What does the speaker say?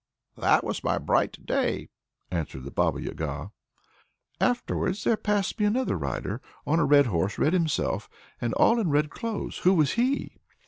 "That was my bright Day!" answered the Baba Yaga. "Afterwards there passed me another rider, on a red horse; red himself, and all in red clothes. Who was he?"